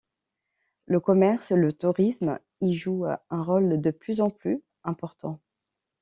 Le commerce et le tourisme y jouent un rôle de plus en plus important.